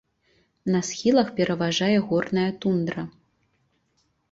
На схілах пераважае горная тундра.